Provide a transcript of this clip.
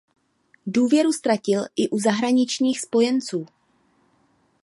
Důvěru ztratil i u zahraničních spojenců.